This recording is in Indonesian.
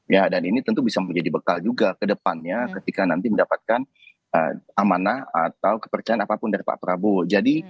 ya dan ini tentu bisa menjadi bekal juga ke depannya ketika nanti mendapatkan amanah atau kepercayaan apapun dari pak prabowo